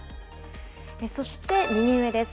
そして右上です。